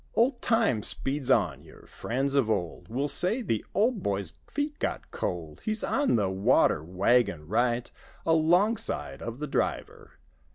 " Old time speeds on. Your friends of old Will say, "The old boy's feet ^ot cold! He's on the water wagon right Alongside of the driver.